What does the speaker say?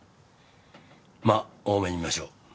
ま大目に見ましょう。